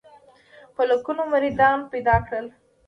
په لکونو مریدان پیدا کړل.